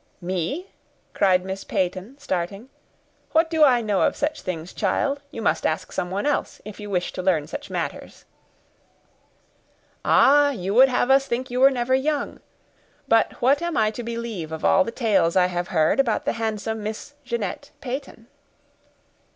"Me!" cried Miss Peyton, starting; "what do I know of such things, child? You must ask someone else, if you wish to learn such matters." "Ah! you would have us think you were never young! But what am I to believe of all the tales I have heard about the handsome Miss Jeanette Peyton?"